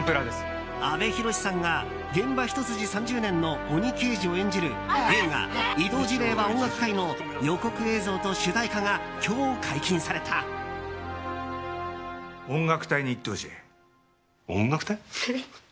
阿部寛さんが現場ひと筋３０年の鬼刑事を演じる映画「異動辞令は音楽隊！」の予告映像と主題歌が音楽隊に行ってほしい。